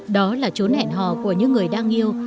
đó là chỗ nẻn hò của những người đang yêu